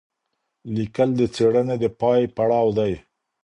لیکل د څېړني د پای پړاو دی.